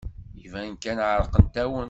Iban kan ɛerqent-awen.